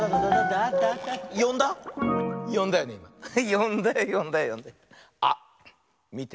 よんだよよんだよよんだよ。あっみて。